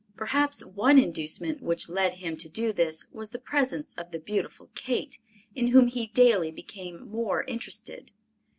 Perhaps one inducement which led him to do this was the presence of the beautiful Kate, in whom he daily became more interested.